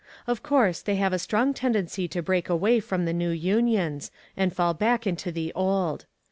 Of course, they have a strong tendency to break away from the new unions, and fall back into the old.